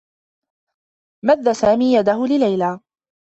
مدّ سامي يده لليلى.